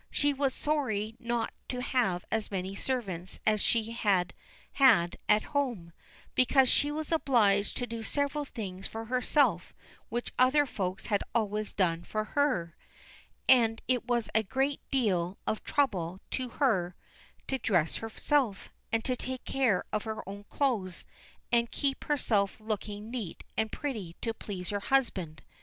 She was sorry not to have as many servants as she had had at home, because she was obliged to do several things for herself which other folks had always done for her, and it was a great deal of trouble to her to dress herself, and take care of her own clothes, and keep herself looking neat and pretty to please her husband.